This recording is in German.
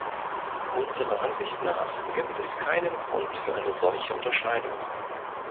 Unserer Ansicht nach gibt es keinen Grund für eine solche Unterscheidung.